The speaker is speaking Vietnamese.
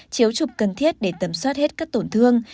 chiếu trục cần thiết để tẩm soát hết các tổn thương